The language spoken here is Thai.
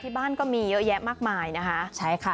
ที่บ้านก็มีเยอะแยะมากมายนะคะ